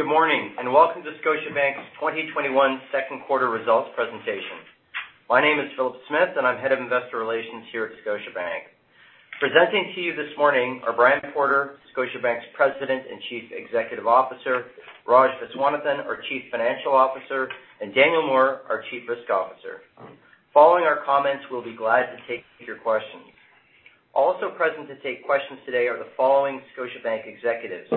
Good morning, and welcome to Scotiabank's 2021 second quarter results presentation. My name is Philip Smith, and I'm Head of Investor Relations here at Scotiabank. Presenting to you this morning are Brian Porter, Scotiabank's President and Chief Executive Officer, Raj Viswanathan, our Chief Financial Officer, and Daniel Moore, our Chief Risk Officer. Following our comments, we'll be glad to take your questions. Also present to take questions today are the following Scotiabank executives: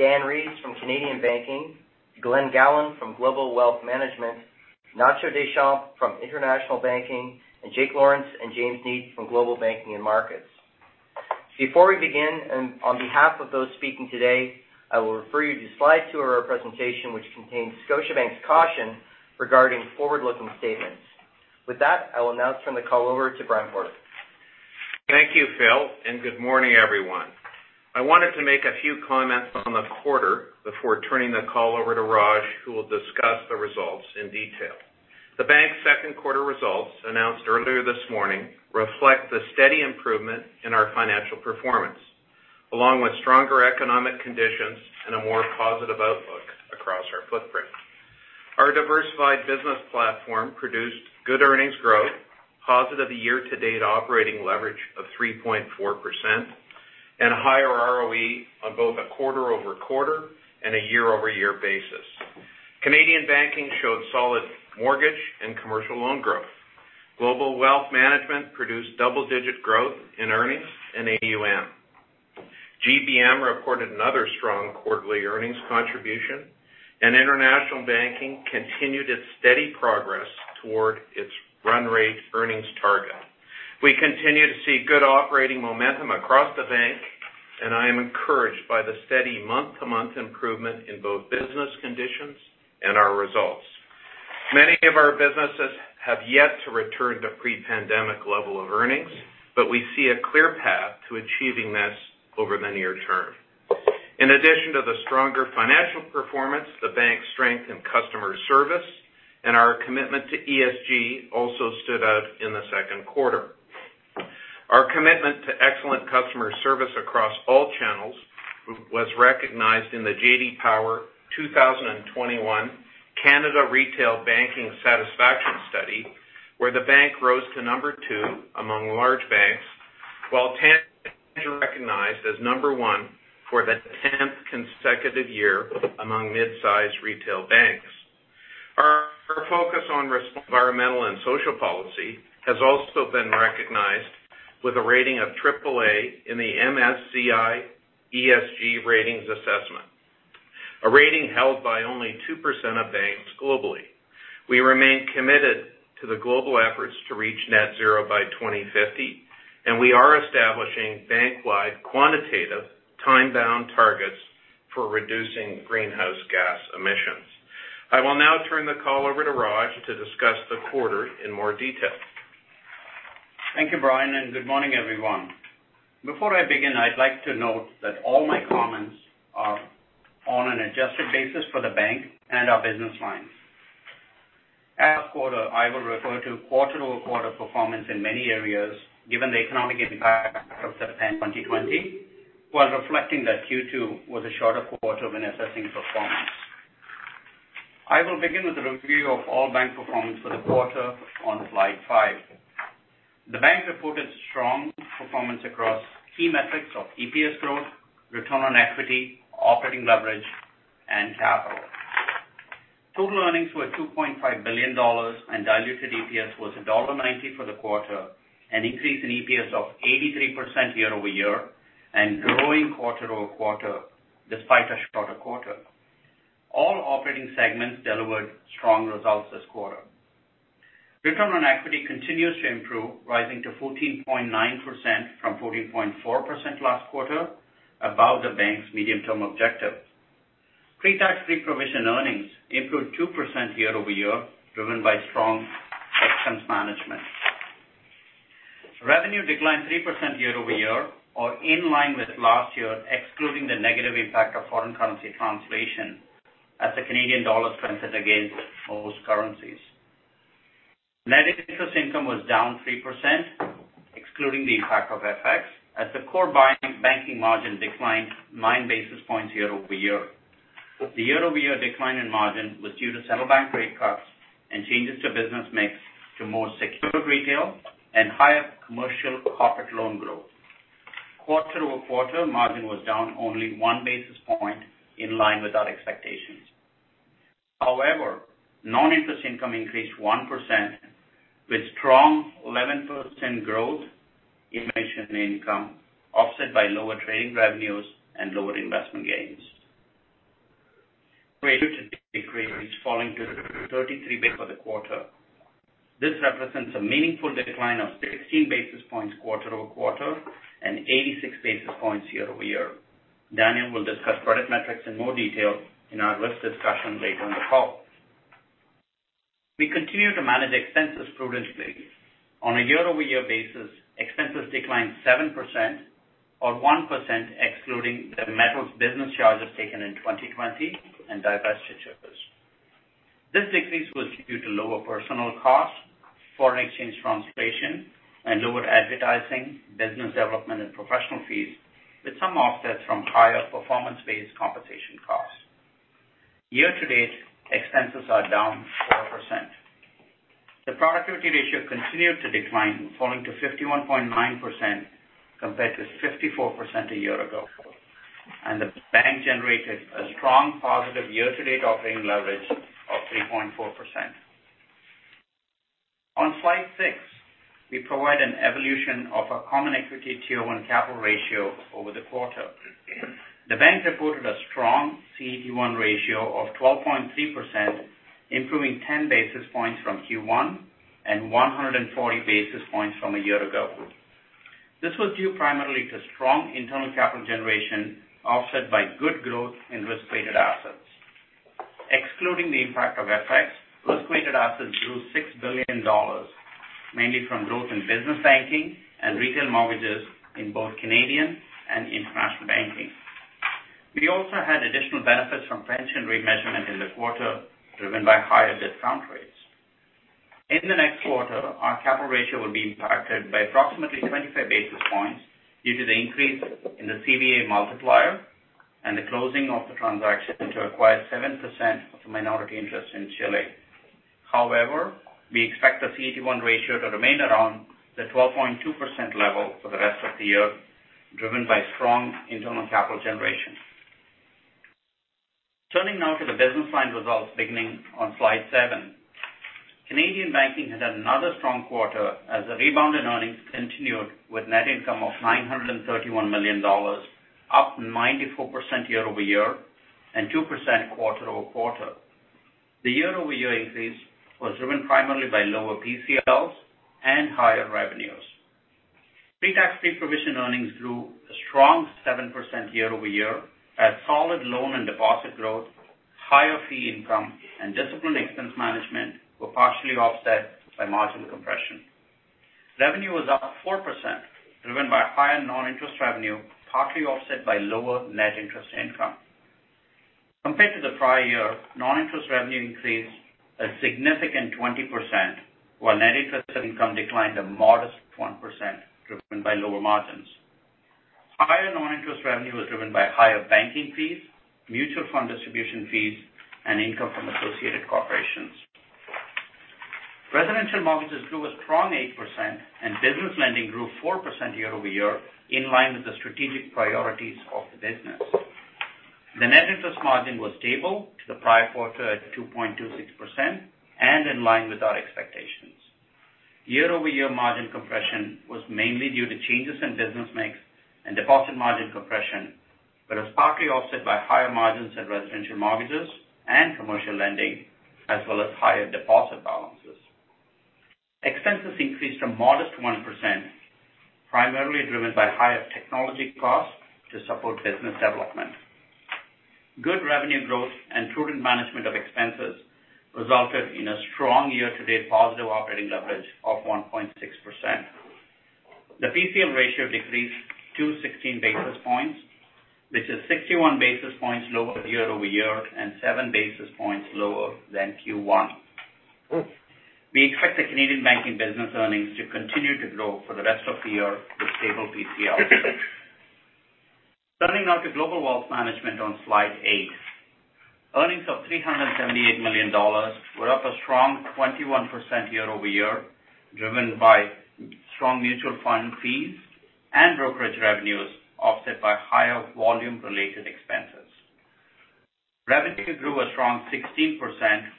Dan Rees from Canadian Banking, Glen Gowland from Global Wealth Management, Ignacio Deschamps from International Banking, and Jake Lawrence and James Neate from Global Banking and Markets. Before we begin, on behalf of those speaking today, I will refer you to slide two of our presentation, which contains Scotiabank's caution regarding forward-looking statements. With that, I will now turn the call over to Brian Porter. Thank you, Philip, and good morning, everyone. I wanted to make a few comments on the quarter before turning the call over to Raj Viswanathan, who will discuss the results in detail. The bank's second quarter results, announced earlier this morning, reflect the steady improvement in our financial performance, along with stronger economic conditions and a more positive outlook across our footprint. Our diversified business platform produced good earnings growth, positive year-to-date operating leverage of 3.4%, and a higher ROE on both a quarter-over-quarter and a year-over-year basis. Canadian Banking showed solid mortgage and commercial loan growth. Global Wealth Management produced double-digit growth in earnings and AUM. GBM reported another strong quarterly earnings contribution, and International Banking continued its steady progress toward its run rate earnings target. We continue to see good operating momentum across the bank, and I am encouraged by the steady month-to-month improvement in both business conditions and our results. Many of our businesses have yet to return to pre-pandemic level of earnings, but we see a clear path to achieving this over the near term. In addition to the stronger financial performance, the bank's strength in customer service and our commitment to ESG also stood out in the second quarter. Our commitment to excellent customer service across all channels was recognized in the J.D. Power 2021 Canada Retail Banking Satisfaction Study, where the bank rose to number two among large banks, while Tangerine recognized as number one for the 10th consecutive year among mid-size retail banks. Our focus on environmental and social policy has also been recognized with a rating of AAA in the MSCI ESG ratings assessment, a rating held by only 2% of banks globally. We remain committed to the global efforts to reach net zero by 2050, and we are establishing bank-wide quantitative time-bound targets for reducing greenhouse gas emissions. I will now turn the call over to Raj to discuss the quarter in more detail. Thank you, Brian, and good morning, everyone. Before I begin, I’d like to note that all my comments are on an adjusted basis for the bank and our business lines. As a quarter, I will refer to quarter-over-quarter performance in many areas, given the economic impact of 2020, while reflecting that Q2 was a shorter quarter when assessing performance. I will begin with a review of all bank performance for the quarter on slide five. The bank reported strong performance across key metrics of EPS growth, ROE, operating leverage, and capital. Total earnings were 2.5 billion dollars and diluted EPS was dollar 1.90 for the quarter, an increase in EPS of 83% year-over-year and growing quarter-over-quarter, despite a shorter quarter. All operating segments delivered strong results this quarter. Return on equity continues to improve, rising to 14.9% from 14.4% last quarter, above the bank's medium-term objective. Pre-tax pre-provision earnings improved 2% year-over-year, driven by strong expense management. Revenue declined 3% year-over-year or in line with last year, excluding the negative impact of foreign currency translation as the Canadian dollar strengthened against most currencies. Net interest income was down 3%, excluding the impact of FX, as the core banking margin declined nine basis points year-over-year. The year-over-year decline in margin was due to several bank rate cuts and changes to business mix to more secure retail and higher commercial profit loan growth. Quarter-over-quarter, margin was down only 1 basis point in line with our expectations. Non-interest income increased 1%, with strong 11% growth in management income, offset by lower trading revenues and lower investment gains. Credit risk falling to 33 basis for the quarter. This represents a meaningful decline of 15 basis points quarter-over-quarter and 86 basis points year-over-year. Daniel will discuss credit metrics in more detail in our risk discussion later in the call. We continue to manage expenses prudently. On a year-over-year basis, expenses declined 7%, or 1% excluding the metals business charges taken in 2020 and divestiture. This decrease was due to lower personal costs, foreign exchange translation, and lower advertising, business development and professional fees, with some offset from higher performance-based compensation costs. Year-to-date, expenses are down 5%. The productivity ratio continued to decline, falling to 51.9% compared to 54% a year ago, and the bank generated a strong positive year-to-date operating leverage of 3.4%. On slide six, we provide an evolution of our common equity Tier 1 capital ratio over the quarter. The bank reported a strong CET1 ratio of 12.3%, improving 10 basis points from Q1 and 140 basis points from a year ago. This was due primarily to strong internal capital generation offset by good growth in risk-weighted assets. Excluding the impact of FX, risk-weighted assets grew 6 billion dollars, mainly from growth in business banking and retail mortgages in both Canadian Banking and International Banking. We also had additional benefits from pension remeasurement in the quarter, driven by higher discount rates. In the next quarter, our capital ratio will be impacted by approximately 25 basis points due to the increase in the CVA multiplier and the closing of the transaction to acquire 7% of the minority interest in Chile. We expect the CET1 ratio to remain around the 12.2% level for the rest of the year, driven by strong internal capital generation. Turning now to the business line results beginning on slide seven. Canadian Banking had another strong quarter as the rebound in earnings continued with net income of 931 million dollars, up 94% year-over-year and 2% quarter-over-quarter. The year-over-year increase was driven primarily by lower PCLs and higher revenues. Pre-tax pre-provision earnings grew a strong 7% year-over-year as solid loan and deposit growth, higher fee income and disciplined expense management were partially offset by margin compression. Revenue was up 4%, driven by higher non-interest revenue, partially offset by lower net interest income. Compared to the prior year, non-interest revenue increased a significant 20%, while net interest income declined a modest 1%, driven by lower margins. Higher non-interest revenue was driven by higher banking fees, mutual fund distribution fees and income from associated corporations. Residential mortgages grew a strong 8% and business lending grew 4% year-over-year in line with the strategic priorities of the business. The net interest margin was stable to the prior quarter at 2.26% and in line with our expectations. Year-over-year margin compression was mainly due to changes in business mix and deposit margin compression, but was partly offset by higher margins in residential mortgages and commercial lending, as well as higher deposit balances. Expenses increased a modest 1%, primarily driven by higher technology costs to support business development. Good revenue growth and prudent management of expenses resulted in a strong year-to-date positive operating leverage of 1.6%. The PCL ratio decreased 216 basis points, which is 61 basis points lower year-over-year and seven basis points lower than Q1. We expect the Canadian Banking business earnings to continue to grow for the rest of the year with stable PCLs. Turning now to Global Wealth Management on slide eight. Earnings of 378 million dollars were up a strong 21% year-over-year, driven by strong mutual fund fees and brokerage revenues, offset by higher volume-related expenses. Revenue grew a strong 16%,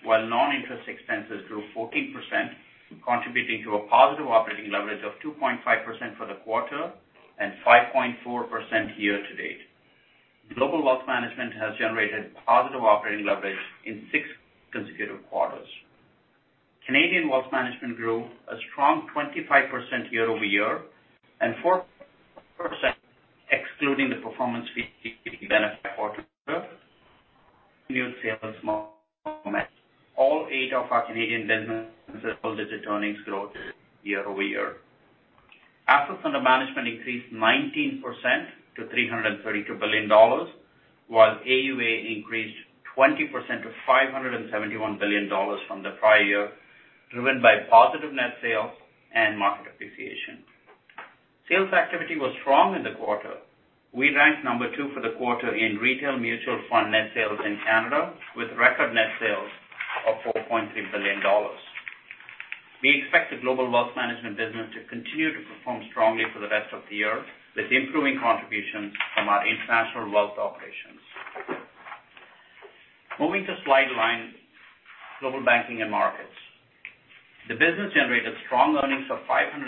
while non-interest expenses grew 14%, contributing to a positive operating leverage of 2.5% for the quarter and 5.4% year-to-date. Global Wealth Management has generated positive operating leverage in six consecutive quarters. Canadian Wealth Management grew a strong 25% year-over-year and 4% excluding the performance fee benefit last quarter. All eight of our Canadian businesses reported earnings growth year-over-year. Assets under management increased 19% to 332 billion dollars, while AUA increased 20% to 571 billion dollars from the prior year, driven by positive net sales and market appreciation. Sales activity was strong in the quarter. We ranked number two for the quarter in retail mutual fund net sales in Canada, with record net sales of 4.3 billion dollars. We expect the Global Wealth Management business to continue to perform strongly for the rest of the year with improving contributions from our international wealth operations. Moving to slide nine, Global Banking and Markets. The business generated strong earnings of 517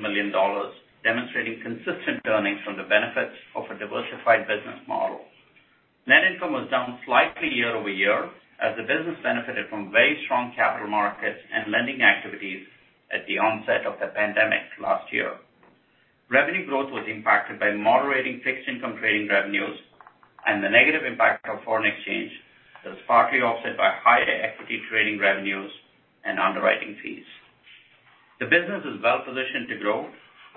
million dollars, demonstrating consistent earnings from the benefits of a diversified business model. Net income was down slightly year-over-year as the business benefited from very strong capital markets and lending activities at the onset of the pandemic last year. Revenue growth was impacted by moderating fixed income trading revenues and the negative impact of foreign exchange that was partly offset by higher equity trading revenues and underwriting fees. The business is well positioned to grow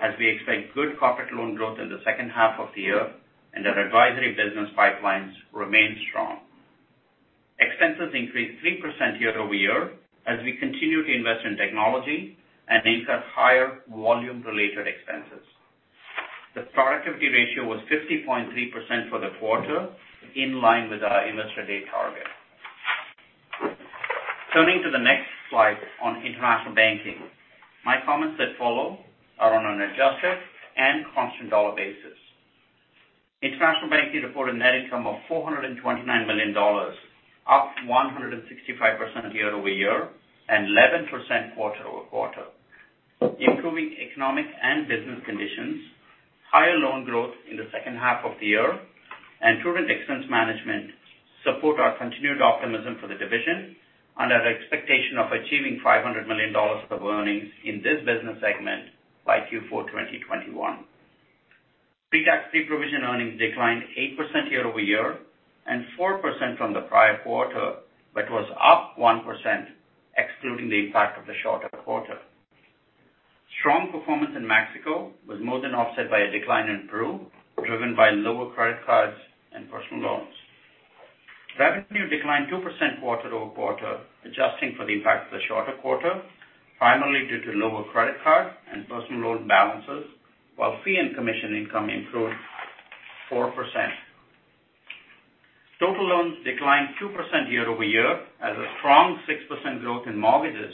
as we expect good corporate loan growth in the H2 of the year and our advisory business pipelines remain strong. Expenses increased 3% year-over-year as we continue to invest in technology and incur higher volume related expenses. The productivity ratio was 50.3% for the quarter, in line with our Investor Day target. Turning to the next slide on International Banking. My comments that follow are on an adjusted and constant dollar basis. International Banking reported a net income of 429 million dollars, up 165% year-over-year and 11% quarter-over-quarter. Improving economic and business conditions, higher loan growth in the H2 of the year, and prudent expense management support our continued optimism for the division under the expectation of achieving 500 million dollars of earnings in this business segment by Q4 2021. Pretax pre-provision earnings declined 8% year-over-year and 4% from the prior quarter but was up 1% excluding the impact of the shorter quarter. Strong performance in Mexico was more than offset by a decline in Peru, driven by lower credit cards and personal loans. Revenue declined 2% quarter-over-quarter, adjusting for the impact of the shorter quarter, primarily due to lower credit card and personal loan balances, while fee and commission income improved 4%. Total loans declined 2% year-over-year as a strong 6% growth in mortgages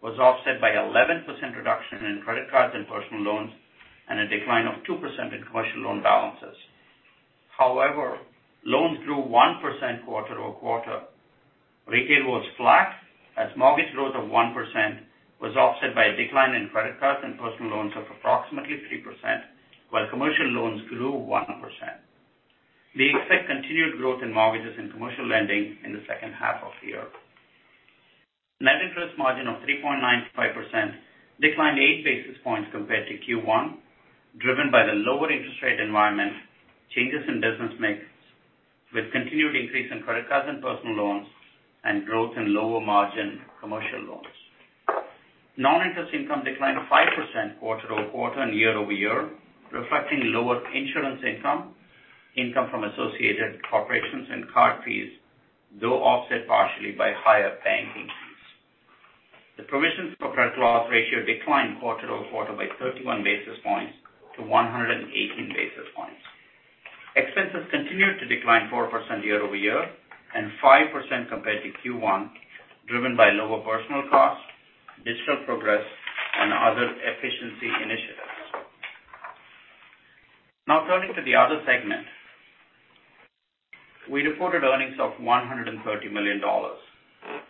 was offset by 11% reduction in credit cards and personal loans and a decline of 2% in commercial loan balances. However, loans grew 1% quarter-over-quarter. Retail was flat as mortgage growth of 1% was offset by a decline in credit cards and personal loans of approximately 3%, while commercial loans grew 1%. We expect continued growth in mortgages and commercial lending in the H2 of the year. Net interest margin of 3.95% declined eight basis points compared to Q1, driven by the lower interest rate environment, changes in business mix, with continued increase in credit cards and personal loans, and growth in lower margin commercial loans. Non-interest income declined 5% quarter-over-quarter and year-over-year, reflecting lower insurance income from associated corporations and card fees, though offset partially by higher banking fees. The provisions for credit loss ratio declined quarter-over-quarter by 31 basis points to 118 basis points. Expenses continued to decline 4% year-over-year and 5% compared to Q1, driven by lower personal costs, digital progress, and other efficiency initiatives. Now turning to the other segment. We reported earnings of 130 million dollars.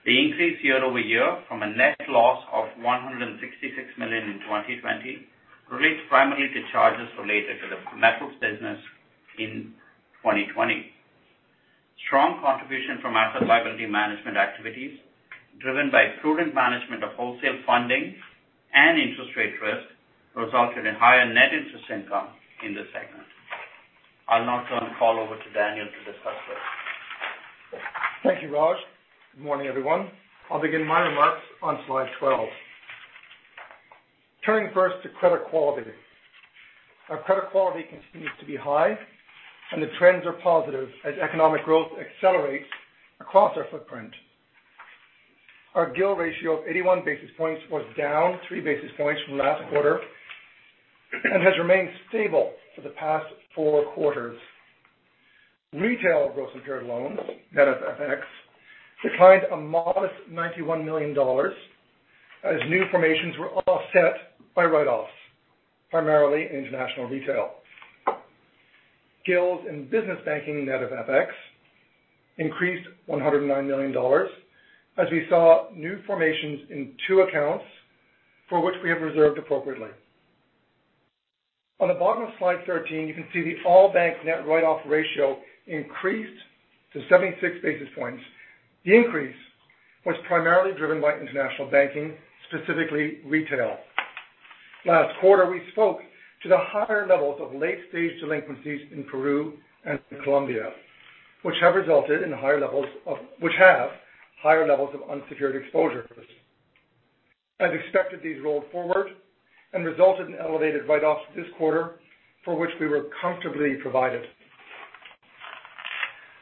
The increase year-over-year from a net loss of 166 million in 2020 relates primarily to charges related to the metals business in 2020. Strong contribution from asset liability management activities driven by prudent management of wholesale funding and interest rate risk resulted in higher net interest income in this segment. I'll now turn the call over to Daniel to discuss this. Thank you, Raj. Good morning, everyone. I'll begin my remarks on slide 12. Turning first to credit quality. Our credit quality continues to be high and the trends are positive as economic growth accelerates across our footprint. Our GIL ratio of 81 basis points was down three basis points from last quarter and has remained stable for the past four quarters. Retail gross impaired loans net of FX declined a modest 91 million dollars as new formations were offset by write-offs, primarily in International Retail. GILs in Business Banking net of FX increased 109 million dollars as we saw new formations in two accounts for which we have reserved appropriately. On the bottom of slide 13, you can see the all-bank net write-off ratio increased to 76 basis points. The increase was primarily driven by International Banking, specifically retail. Last quarter, we spoke to the higher levels of late-stage delinquencies in Peru and Colombia, which have higher levels of unsecured exposures. As expected, these rolled forward and resulted in elevated write-offs this quarter, for which we were comfortably provided.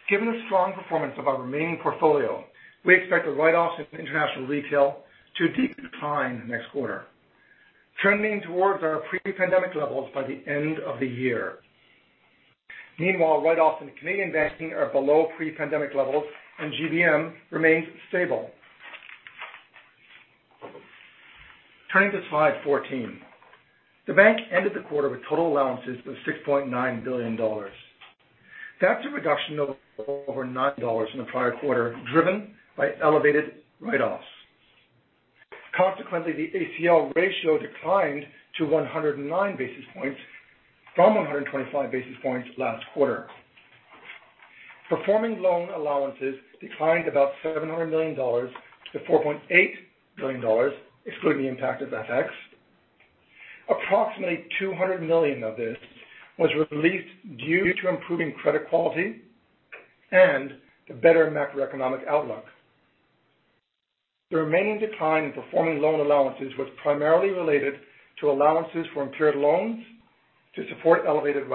Given the strong performance of our remaining portfolio, we expect the write-offs in International Retail to decline next quarter, trending towards our pre-pandemic levels by the end of the year. Meanwhile, write-offs in Canadian Banking are below pre-pandemic levels, and GBM remains stable. Turning to slide 14. The bank ended the quarter with total allowances of 6.9 billion dollars. That's a reduction of over 9 dollars in the prior quarter, driven by elevated write-offs. Consequently, the ACL ratio declined to 109 basis points from 125 basis points last quarter. Performing loan allowances declined about 700 million dollars to 4.8 billion dollars, excluding the impact of FX. Approximately 200 million of this was released due to improving credit quality and the better macroeconomic outlook. The remaining decline in performing loan allowances was primarily related to allowances from impaired loans to support elevated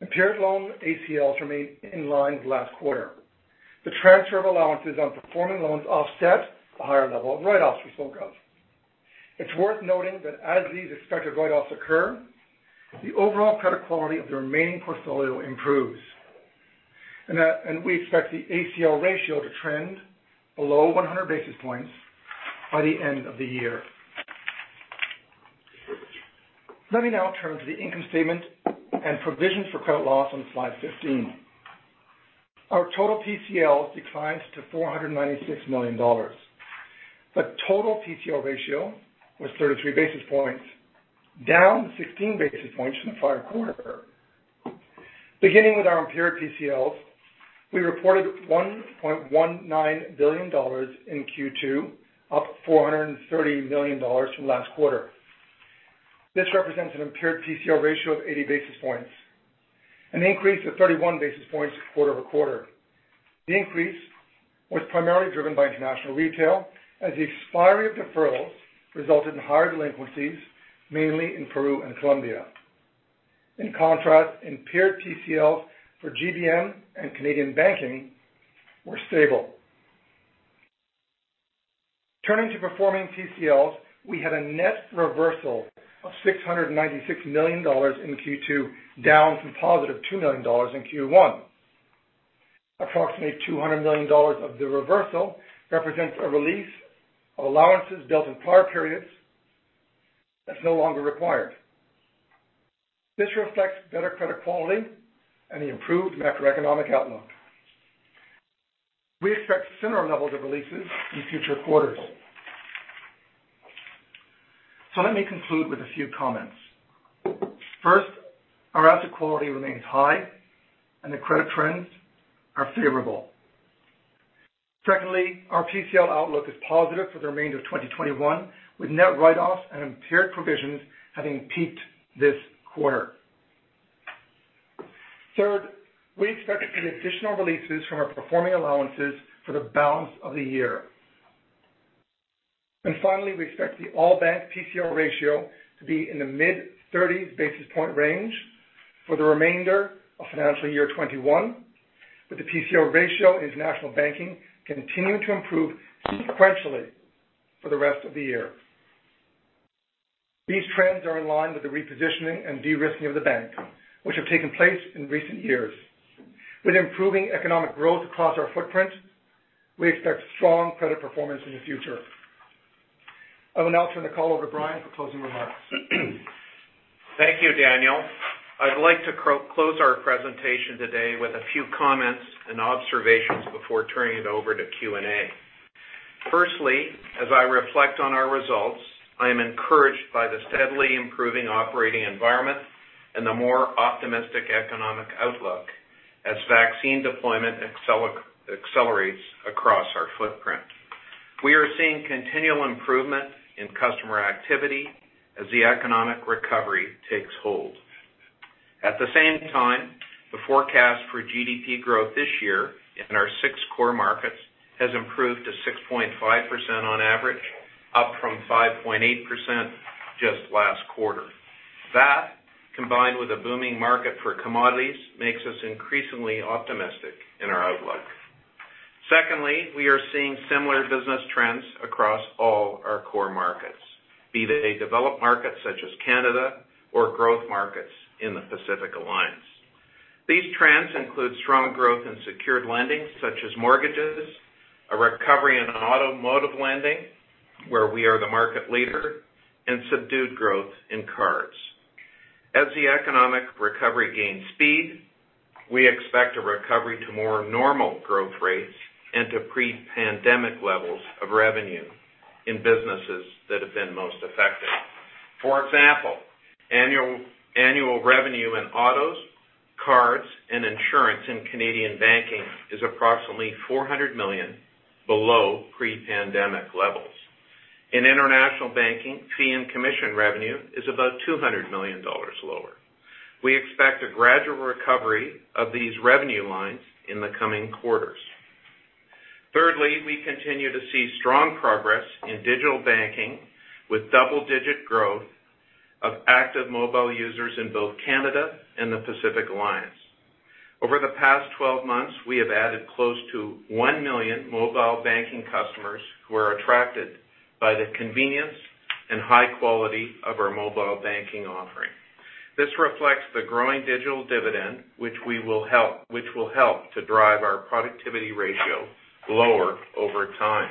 write-offs. Impaired loans ACL remained in line last quarter. The transfer of allowances on performing loans offset the higher level of write-offs from loan losses. It's worth noting that as these expected write-offs occur, the overall credit quality of the remaining portfolio improves, and we expect the ACL ratio to trend below 100 basis points by the end of the year. Let me now turn to the income statement and provisions for credit loss on Slide 15. Our total PCL declined to 496 million dollars. The total PCL ratio was 33 basis points, down 16 basis points from the prior quarter. Beginning with our impaired PCLs, we reported 1.19 billion dollars in Q2, up 430 million dollars from last quarter. This represents an impaired PCL ratio of 80 basis points, an increase of 31 basis points quarter-over-quarter. The increase was primarily driven by International Banking as the expiry of deferrals resulted in higher delinquencies, mainly in Peru and Colombia. In contrast, impaired PCLs for GBM and Canadian Banking were stable. Turning to performing PCLs, we had a net reversal of 696 million dollars in Q2, down from positive 2 million dollars in Q1. Approximately 200 million dollars of the reversal represents a release of allowances built in prior periods that's no longer required. This reflects better credit quality and the improved macroeconomic outlook. We expect similar levels of releases in future quarters. Let me conclude with a few comments. First, our asset quality remains high and the credit trends are favorable. Secondly, our PCL outlook is positive for the remainder of 2021, with net write-offs and impaired provisions having peaked this quarter. Third, we expect to see additional releases from our performing allowances for the balance of the year. Finally, we expect the all-bank PCL ratio to be in the mid-30 basis point range for the remainder of financial year 2021, with the PCL ratio in International Banking continuing to improve sequentially for the rest of the year. These trends are in line with the repositioning and de-risking of the bank, which have taken place in recent years. With improving economic growth across our footprint, we expect strong credit performance in the future. I will now turn the call over to Brian for closing remarks. Thank you, Daniel. I'd like to close our presentation today with a few comments and observations before turning it over to Q&A. Firstly, as I reflect on our results, I am encouraged by the steadily improving operating environment and the more optimistic economic outlook as vaccine deployment accelerates across our footprint. We are seeing continual improvement in customer activity as the economic recovery takes hold. At the same time, the forecast for GDP growth this year in our six core markets has improved to 6.5% on average, up from 5.8% just last quarter. That, combined with a booming market for commodities, makes us increasingly optimistic in our outlook. Secondly, we are seeing similar business trends across all our core markets, be they developed markets such as Canada or growth markets in the Pacific Alliance. These trends include strong growth in secured lending such as mortgages, a recovery in automotive lending, where we are the market leader, and subdued growth in cards. As the economic recovery gains speed, we expect a recovery to more normal growth rates and to pre-pandemic levels of revenue in businesses that have been most affected. For example, annual revenue in autos, cards, and insurance in Canadian Banking is approximately 400 million below pre-pandemic levels. In International Banking, fee and commission revenue is about 200 million dollars lower. We expect a gradual recovery of these revenue lines in the coming quarters. Thirdly, we continue to see strong progress in digital banking with double-digit growth of active mobile users in both Canada and the Pacific Alliance. Over the past 12 months, we have added close to 1 million mobile banking customers who are attracted by the convenience and high quality of our mobile banking offering. This reflects the growing digital dividend, which will help to drive our productivity ratio lower over time.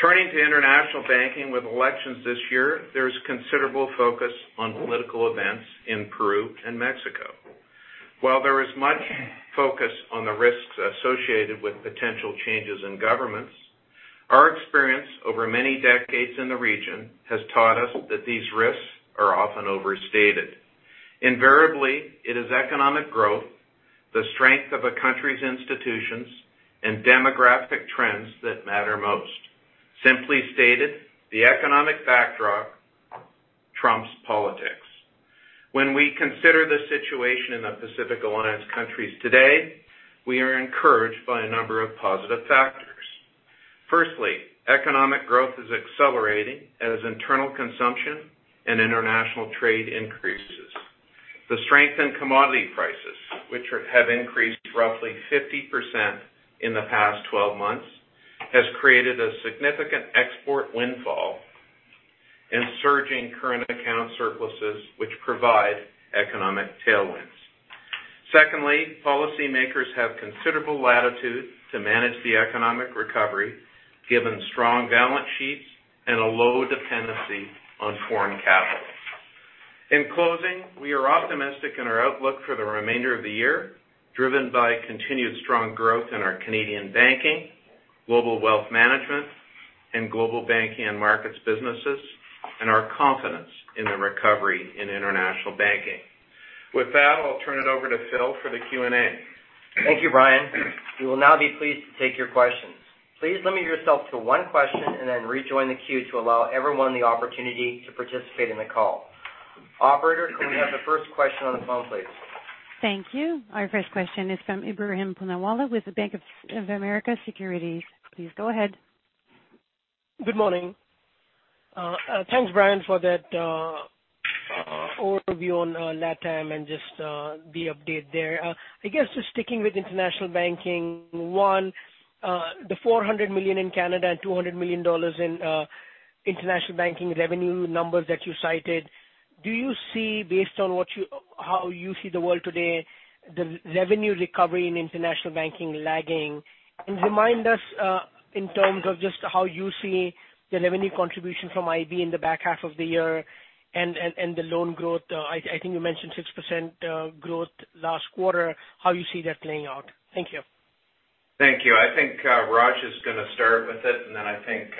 Turning to International Banking, with elections this year, there's considerable focus on political events in Peru and Mexico. While there is much focus on the risks associated with potential changes in governments, our experience over many decades in the region has taught us that these risks are often overstated. Invariably, it is economic growth, the strength of a country's institutions and demographic trends that matter most. Simply stated, the economic backdrop trumps politics. When we consider the situation of Pacific Alliance countries today, we are encouraged by a number of positive factors. Firstly, economic growth is accelerating as internal consumption and international trade increases. The strength in commodity prices, which have increased roughly 50% in the past 12 months, has created a significant export windfall and surging current account surpluses, which provide economic tailwinds. Secondly, policymakers have considerable latitude to manage the economic recovery, given strong balance sheets and a low dependency on foreign capital. In closing, we are optimistic in our outlook for the remainder of the year, driven by continued strong growth in our Canadian Banking, Global Wealth Management, and Global Banking and Markets businesses, and our confidence in a recovery in International Banking. With that, I'll turn it over to Philip for the Q&A. Thank you, Brian. We will now be pleased to take your questions. Please limit yourself to one question and then rejoin the queue to allow everyone the opportunity to participate in the call. Operator, can we have the first question on the phone, please? Thank you. Our first question is from Ebrahim Poonawala with the Bank of America Securities. Please go ahead. Good morning. Thanks, Brian, for that overview on LatAm and just the update there. I guess just sticking with International Banking, one, the 400 million in Canada and 200 million dollars in International Banking revenue numbers that you cited, do you see, based on how you see the world today, the revenue recovery in International Banking lagging? Remind us in terms of just how you see the revenue contribution from IB in the back half of the year and the loan growth. I think you mentioned 6% growth last quarter, how you see that playing out? Thank you. Thank you. I think Raj is going to start with it, and then I think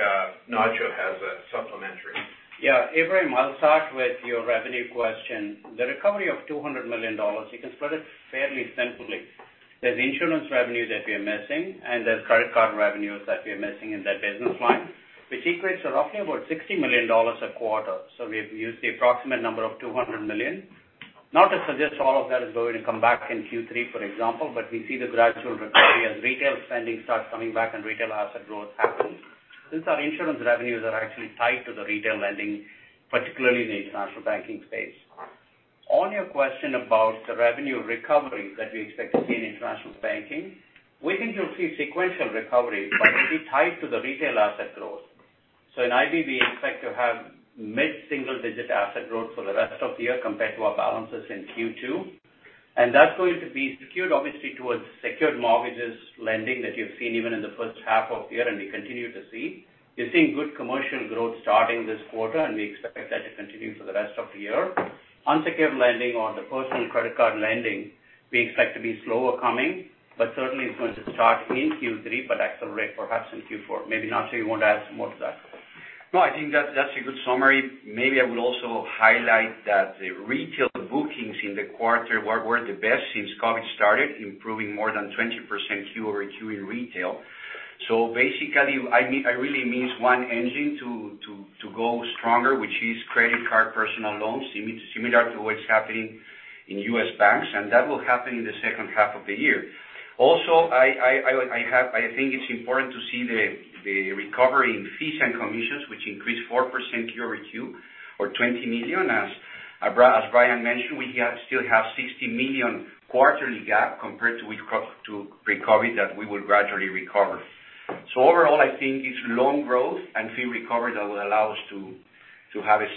Nacho has a supplementary. Ebrahim, I'll start with your revenue question. The recovery of 200 million dollars, you can split it fairly simply. There's insurance revenue that we are missing, there's credit card revenues that we are missing in that business line, which equates to roughly about 60 million dollars a quarter. We've used the approximate number of 200 million. Not to suggest all of that is going to come back in Q3, for example, we see the gradual recovery as retail spending starts coming back and retail asset growth happens. Our insurance revenues are actually tied to the retail lending, particularly in the International Banking space. On your question about the revenue recovery that we expect to see in International Banking, we think you'll see sequential recovery, it'll be tied to the retail asset growth. In IB, we expect to have mid-single digit asset growth for the rest of the year compared to our balances in Q2. That's going to be skewed obviously towards secured mortgages lending that you've seen even in the H1 of the year, and you continue to see. You're seeing good commercial growth starting this quarter, and we expect that to continue for the rest of the year. Unsecured lending or the personal credit card lending, we expect to be slower coming, but certainly influence the start in Q3, but accelerate perhaps in Q4. Maybe Nacho you want to add some more to that. No, I think that's a good summary. Maybe I will also highlight that the retail bookings in the quarter were the best since COVID started, improving more than 20% quarter-over-quarter in retail. Basically, I really need one engine to go stronger, which is credit card personal loans, similar to what's happening in U.S. banks, and that will happen in the H2 of the year. Also, I think it's important to see the recovery in fees and commissions, which increased 4% quarter-over-quarter or 20 million. As Brian mentioned, we still have 60 million quarterly gap compared to pre-COVID that we will gradually recover. Overall, I think it's loan growth and fee recovery that will allow us to have a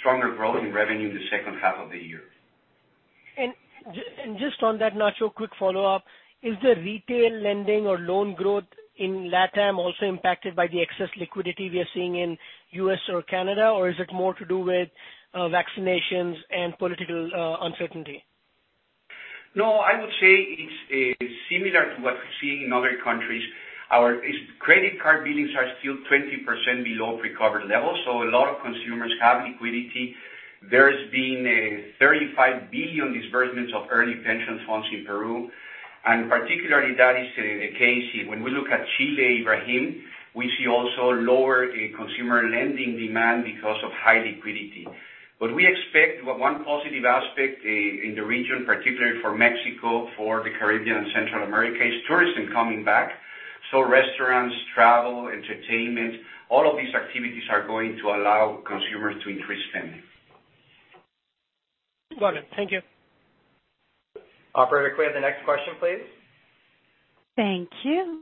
stronger growth in revenue in the H2 of the year. Just on that, Nacho, quick follow-up. Is the retail lending or loan growth in LatAm also impacted by the excess liquidity we are seeing in U.S. or Canada, or is it more to do with vaccinations and political uncertainty? No, I would say it's similar to what we're seeing in other countries. Our credit card billings are still 20% below pre-COVID levels, so a lot of consumers have liquidity. There's been 35 billion disbursements of early pension funds in Peru, and particularly that is the case when we look at Chile, Ebrahim. We see also lower consumer lending demand because of high liquidity. What we expect one positive aspect in the region, particularly for Mexico, for the Caribbean, Central America, is tourism coming back. Restaurants, travel, entertainment, all of these activities are going to allow consumers to increase spending. Got it. Thank you. Operator, can we have the next question, please? Thank you.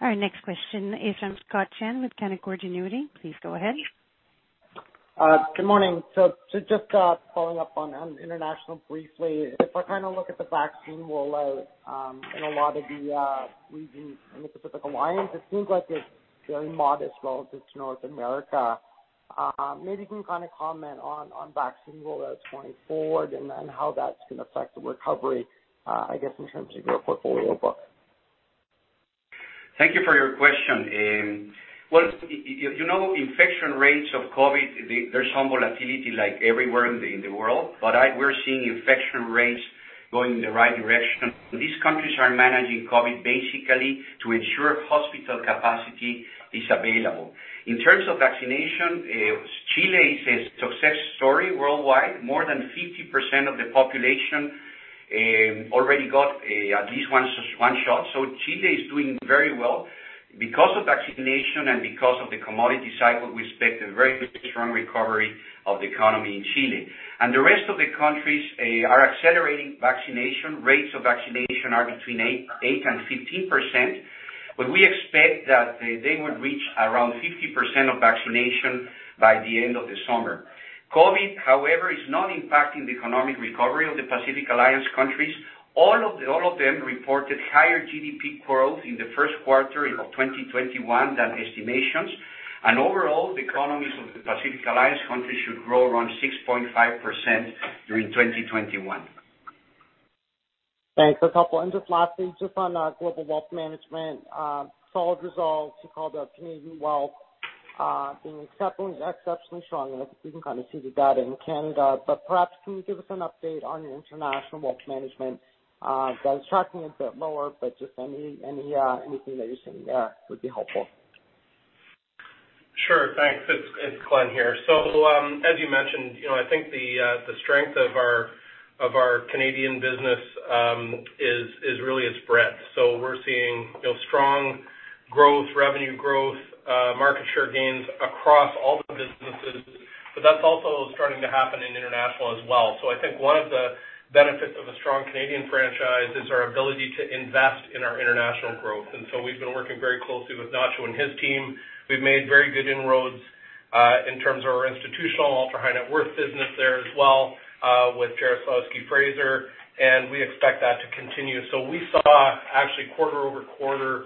Our next question is from Scott Chan with Canaccord Genuity. Please go ahead. Good morning. Just following up on international briefly. If I look at the vaccine rollout in a lot of the regions in the Pacific Alliance, it seems like it's fairly modest relative to North America. Maybe you can comment on vaccine rollout going forward and how that's going to affect the recovery, I guess, in terms of your portfolio book. Thank you for your question. Infection rates of COVID, there's some volatility like everywhere in the world, but we're seeing infection rates going in the right direction. These countries are managing COVID basically to ensure hospital capacity is available. In terms of vaccination, Chile is a success story worldwide. More than 50% of the population already got at least one shot. Chile is doing very well because of vaccination and because of the commodity cycle, we expect a very strong recovery of the economy in Chile. The rest of the countries are accelerating vaccination. Rates of vaccination are between 8% and 15%, we expect that they would reach around 50% of vaccination by the end of the summer. COVID, however, is not impacting the economic recovery of the Pacific Alliance countries. All of them reported higher GDP growth in the first quarter of 2021 than estimations. Overall, the economies of the Pacific Alliance countries should grow around 6.5% during 2021. Thanks. I just lastly, just on our Global Wealth Management, sales results for Canadian wealth, being exceptionally strong. I think we can kind of see the data in Canada. Perhaps can you give us an update on international wealth management? Guys tracking a bit lower. Just anything that you can share would be helpful. Sure. Thanks. It's Glen here. As you mentioned, I think the strength of our Canadian Banking business is really its breadth. We're seeing strong growth, revenue growth, market share gains across all the businesses, but that's also starting to happen in International Banking as well. We've been working very closely with Nacho and his team. We've made very good inroads, in terms of our institutional ultra-high net worth business there as well, with Jarislowsky Fraser. We expect that to continue. We saw actually quarter-over-quarter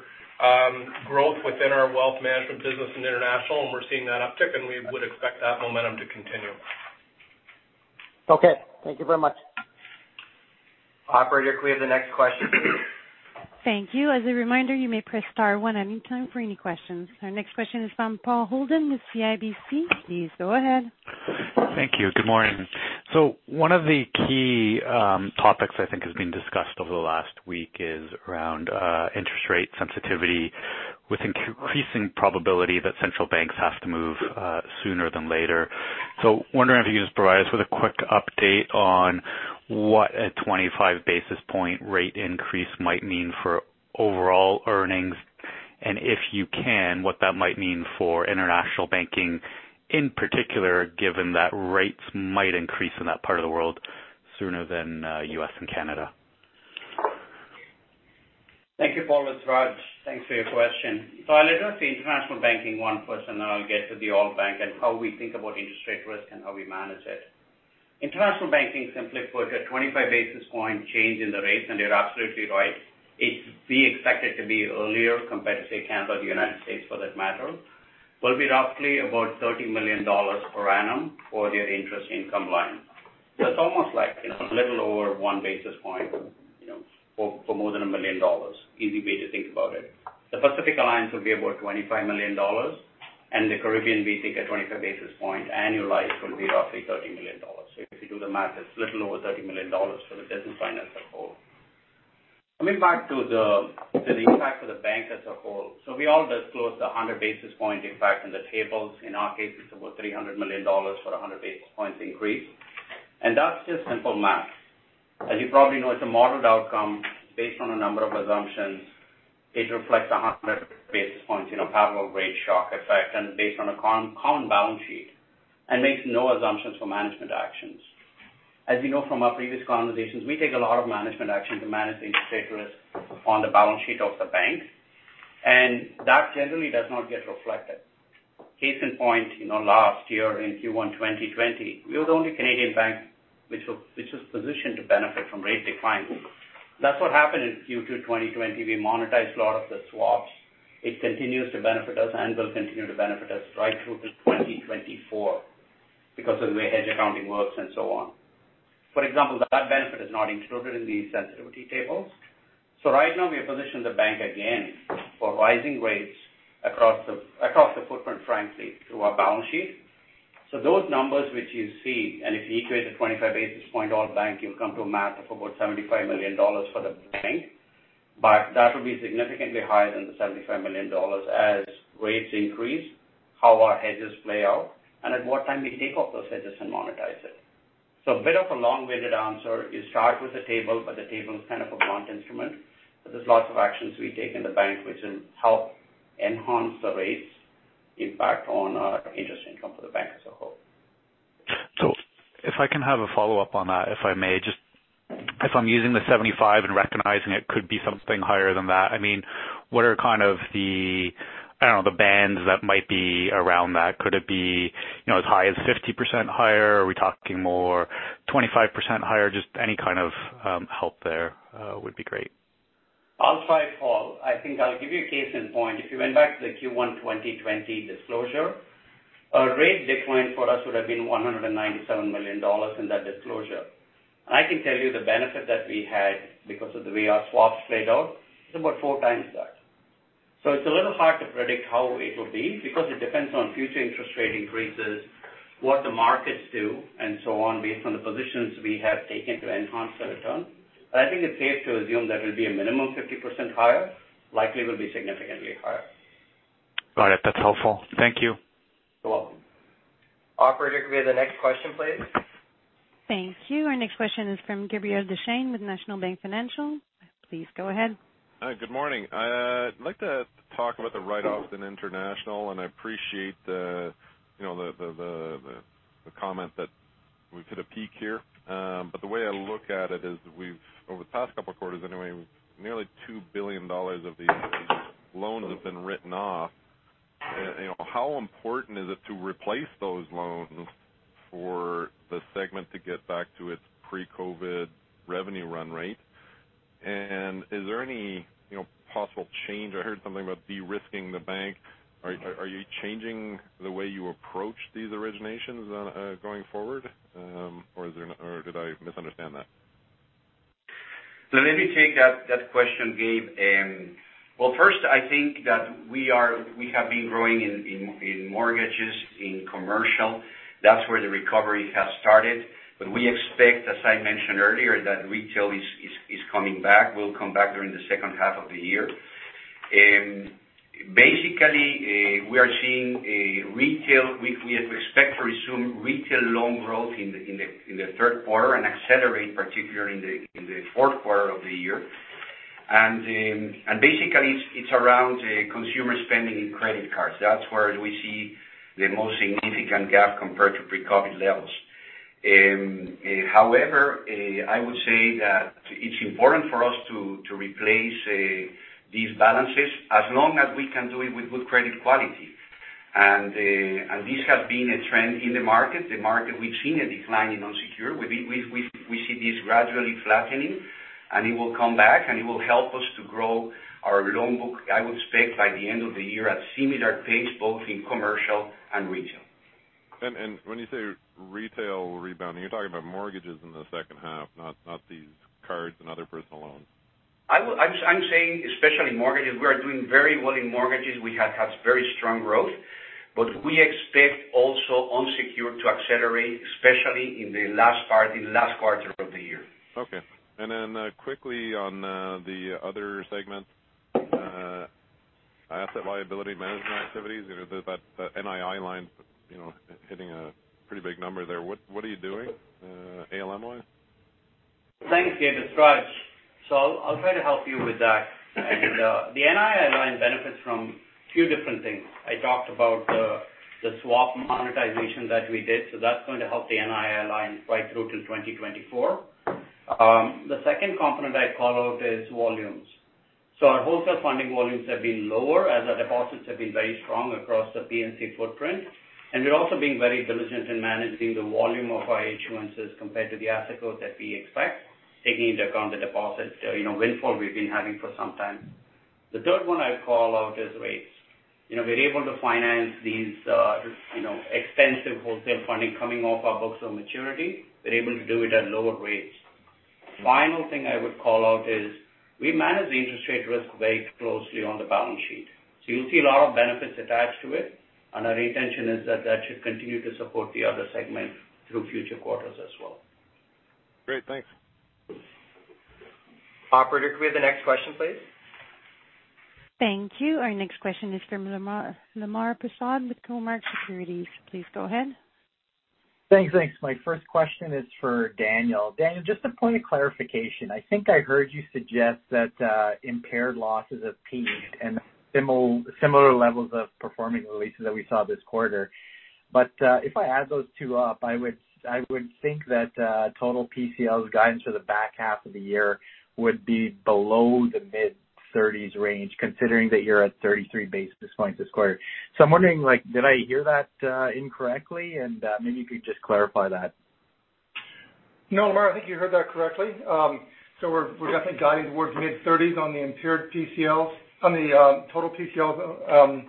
growth within our Global Wealth Management business in International Banking. We're seeing that uptick. We would expect that momentum to continue. Okay, thank you very much. Operator, can we have the next question, please? Thank you. As a reminder, you may press star one anytime for any questions. Our next question is from Paul Holden with CIBC. Please go ahead. Thank you. Good morning. One of the key topics I think has been discussed over the last week is around interest rate sensitivity with increasing probability that central banks have to move sooner than later. Wondering if you, Raj, with a quick update on what a 25 basis point rate increase might mean for overall earnings, and if you can, what that might mean for International Banking in particular, given that rates might increase in that part of the world sooner than U.S. and Canada. Thank you, Paul. It's Raj. Thanks for your question. I'll address the International Banking one first, and then I'll get to the whole bank and how we think about interest rate risk and how we manage it. International Banking, simply put, a 25 basis point change in the rates, and you're absolutely right, it's be expected to be earlier compared to, say, Canada or the United States for that matter, will be roughly about 30 million dollars per annum for the interest income line. It's almost like it's a little over one basis point, for more than 1 million dollars. Easy way to think about it. The Pacific Alliance will be about 25 million dollars, and the Caribbean banking, a 25 basis point annualize will be roughly 30 million dollars. If you do the math, it's a little over 30 million dollars for the business finance as a whole. Coming back to the impact of the bank as a whole. We all disclosed the 100 basis point impact in the tables. In our case, it's over 300 million dollars for 100 basis points increase, that's just simple math. As you probably know, it's a modeled outcome based on a number of assumptions. It reflects 100 basis points, you know, half of rate shock effect based on a calm balance sheet makes no assumptions for management actions. As you know from our previous conversations, we take a lot of management action to manage interest rate risk on the balance sheet of the bank, that generally does not get reflected. Case in point, last year in Q1 2020, we were the only Canadian bank which was positioned to benefit from rate declines. That's what happened is Q2 2020, we monetized a lot of the swaps. It continues to benefit us and will continue to benefit us right through to 2024 because of the way hedge accounting works and so on. For example, that benefit is not included in these sensitivity tables. Right now we position the bank again for rising rates across the footprint, frankly, through our balance sheet. Those numbers which you see, and if you equate to 25 basis point all bank, you come to a math of about 75 million dollars for the bank, but that will be significantly higher than the 75 million dollars as rates increase, how our hedges play out, and at what time we take off those hedges and monetize it. A bit of a long-winded answer. You start with the table, but the table is kind of a blunt instrument, but there's lots of actions we take in the bank which help enhance the rates impact on our interest income for the bank as a whole. If I can have a follow-up on that, if I may, just because I'm using the 75 and recognizing it could be something higher than that. I mean, what are kind of the bands that might be around that? Could it be as high as 50% higher? Are we talking more 25% higher? Just any kind of help there would be great. I'll try, Paul. I think I'll give you a case in point. If you went back to the Q1 2020 disclosure, a rate decline for us would have been 197 million dollars in that disclosure. I can tell you the benefit that we had because of the way our swaps trade out is about four times that. It's a little hard to predict how it will be because it depends on future interest rate increases, what the markets do, and so on, based on the positions we have taken to enhance the return. I think it's safe to assume that it'll be a minimum 50% higher, likely it will be significantly higher. Got it. That's helpful. Thank you. You're welcome. Operator, can we have the next question, please? Thank you. Our next question is from Gabriel Dechaine with National Bank Financial. Please go ahead. Hi, good morning. I'd like to talk about the write-offs in International Banking. I appreciate the comment that we've hit a peak here. The way I look at it is we've, over the past couple of quarters anyway, nearly 2 billion dollars of these loans have been written off. How important is it to replace those loans for the segment to get back to its pre-COVID revenue run rate? Is there any possible change? I heard something about de-risking the bank. Are you changing the way you approach these originations going forward? Did I misunderstand that? Let me take that question, Gabe. Well, first, I think that we have been growing in mortgages, in commercial. That's where the recovery has started. We expect, as I mentioned earlier, that retail is coming back, will come back during the H2 of the year. Basically, we are seeing, we expect to resume retail loan growth in the third quarter and accelerate, particularly in the fourth quarter of the year. Basically, it's around consumer spending and credit cards. That's where we see the most significant gap compared to pre-COVID levels. However, I would say that it's important for us to replace these balances as long as we can do it with good credit quality. This has been a trend in the market. The market, we've seen a decline in unsecured. We see this gradually flattening, and it will come back, and it will help us to grow our loan book, I would expect by the end of the year, at similar pace, both in commercial and retail. When you say retail rebound, are you talking about mortgages in the second half, not these cards and other personal loans? I'm saying especially mortgages. We are doing very well in mortgages. We have had very strong growth, but we expect also unsecured to accelerate, especially in the last quarter of the year. Okay. Quickly on the other segment, asset liability management activities, that NII line hitting a pretty big number there. What are you doing, ALM-wise? Thanks, Gabe. It's Raj. I'll try to help you with that. The NII line benefits from two different things. I talked about the swap monetization that we did, that's going to help the NII line right through to 2024. The second component I call out is volumes. Our wholesale funding volumes have been lower as our deposits have been very strong across the BNS footprint, and we're also being very diligent in managing the volume of our issuances compared to the asset growth that we expect, taking into account the deposit windfall we've been having for some time. The third one I call out is rates. We're able to finance these expensive wholesale funding coming off our books on maturity. We're able to do it at lower rates. Final thing I would call out is we manage the interest rate risk very closely on the balance sheet. You'll see a lot of benefits attached to it, and our intention is that that should continue to support the other segments through future quarters as well. Great. Thanks. Operator, can we have the next question, please? Thank you. Our next question is from Lemar Persaud with Cormark Securities. Please go ahead. Thanks. My first question is for Daniel. Dan, just a point of clarification. I think I heard you suggest that impaired losses have peaked and similar levels of performing releases that we saw this quarter. If I add those two up, I would think that total PCL guidance for the back half of the year would be below the mid-30s range, considering that you're at 33 basis points this quarter. I'm wondering, did I hear that incorrectly? Maybe you could just clarify that. No, Lemar, I think you heard that correctly. We're definitely guiding towards mid-30s on the impaired PCLs, on the total PCLs,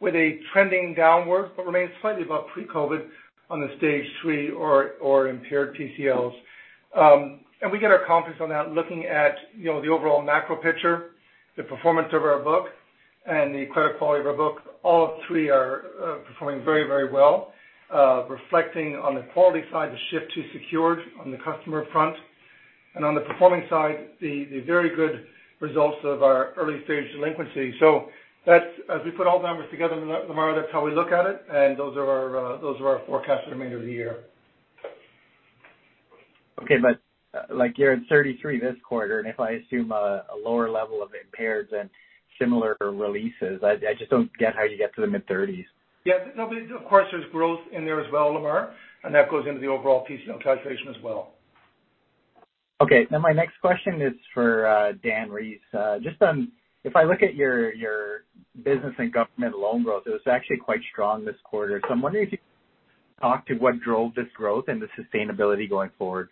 with a trending downward but remain slightly above pre-COVID on the stage three or impaired PCLs. We get our confidence on that looking at the overall macro picture, the performance of our book, and the credit quality of our book. All three are performing very well, reflecting on the quality side, the shift to secured on the customer front. On the performing side, the very good results of our early-stage delinquency. As we put all the numbers together, Lemar, that's how we look at it, and those are our forecast the remainder of the year. Okay. You're at 33 this quarter, and if I assume a lower level of impaired, then similar releases, I just don't get how you get to the mid-30s. Of course, there's growth in there as well, Lemar, and that goes into the overall PCL calculation as well. Okay. Now my next question is for Dan Rees. If I look at your business and government loan growth, it was actually quite strong this quarter. I'm wondering if you could talk to what drove this growth and the sustainability going forward.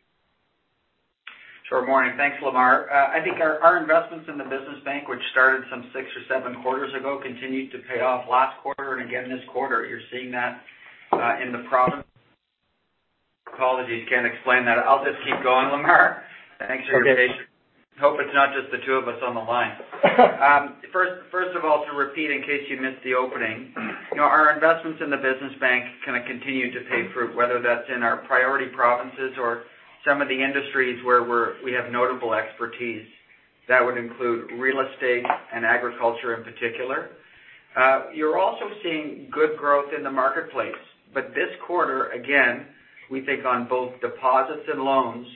Sure. Morning. Thanks, Lemar. I think our investments in the business bank, which started some six or seven quarters ago, continued to pay off last quarter and again this quarter. You're seeing that in the province. Apologies, can't explain that. I'll just keep going, Lemar. Hope it's not just the two of us on the line. First of all, to repeat, in case you missed the opening, our investments in the business banks kind of continue to pay fruit, whether that's in our priority provinces or some of the industries where we have notable expertise. That would include real estate and agriculture in particular. You're also seeing good growth in the marketplace. This quarter, again, we think on both deposits and loans.